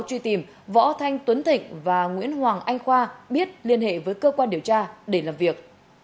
truy tìm võ thanh tuấn thịnh và nguyễn hoàng anh khoa biết liên hệ với cơ quan điều tra để làm việc